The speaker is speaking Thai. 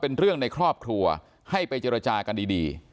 เป็นเรื่องในครอบครัวให้ไปเจรจากันดี